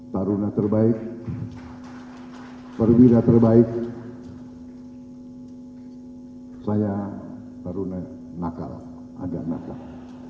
taruna terbaik perwira terbaik saya taruna nakal ajak nakal